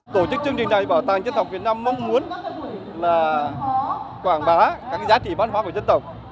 tổ chức chương trình này bảo tàng dân tộc việt nam mong muốn là quảng bá các giá trị văn hóa của dân tộc